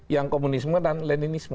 yang komunisme dan leninisme